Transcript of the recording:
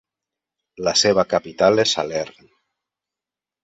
La seva capital és Salern.